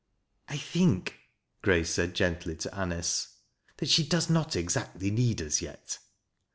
" I think," Grace said gently to Anice, " that she doC« aot exactly need us yet."